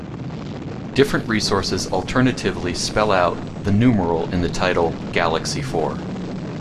Different resources alternatively spell out the numeral in the title: "Galaxy Four".